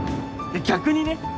逆にね！